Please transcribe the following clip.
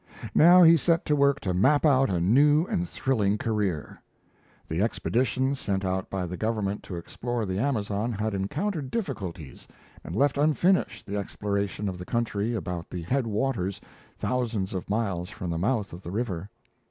Now he set to work to map out a new and thrilling career. The expedition sent out by the government to explore the Amazon had encountered difficulties and left unfinished the exploration of the country about the head waters, thousands of miles from the mouth of the river.